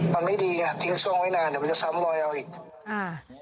มันไม่ดีอ่ะทิ้งช่วงไว้นานเดี๋ยวมันจะซ้ำลอยเอาอีกอ่า